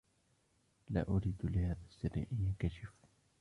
لا أريد لهذا السر أن ينكشف.